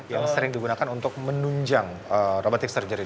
yang sering digunakan untuk menunjang robotik surgery